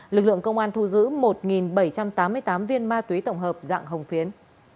lực lượng công an thu giữ một bảy trăm tám mươi tám viên ma túy tổng hợp dạng hồng phiến